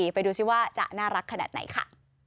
ไปดูซิว่าจะน่ารักขนาดไหนค่ะ